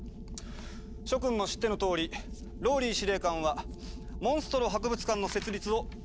諸君も知ってのとおりＲＯＬＬＹ司令官はモンストロ博物館の設立を計画しておられる。